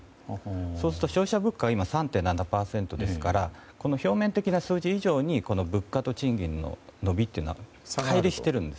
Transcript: そうすると、消費者物価は３．７％ですから表面的な数字以上に物価と賃上げの伸びは乖離しているんです。